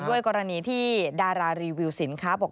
ยอมรับว่าการตรวจสอบเพียงเลขอยไม่สามารถทราบได้ว่าเป็นผลิตภัณฑ์ปลอม